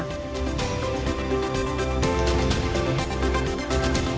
titifikasi ini diken surface einsaller lama seharusnya berlaku berbeda